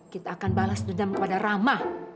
kita akan balas dendam kepada ramah